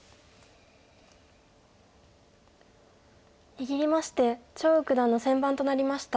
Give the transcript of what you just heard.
握りまして張栩九段の先番となりました。